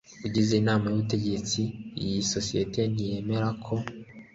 Ugize Inama y Ubutegetsi y isosiyete ntiyemera ko